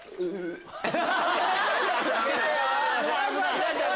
稲ちゃん